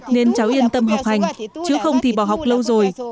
nên cháu yên tâm học hành chứ không thì bỏ học lâu rồi